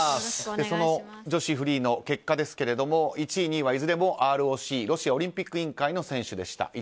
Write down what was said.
その女子フリーの結果ですが１位、２位はいずれもＲＯＣ・ロシアオリンピック委員会の選手でした。